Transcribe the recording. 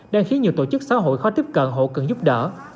đang khiến nhiều tổ chức xã hội khó tiếp cận hộ cần giúp đỡ